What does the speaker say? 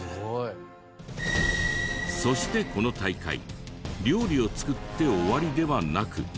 そしてこの大会料理を作って終わりではなく。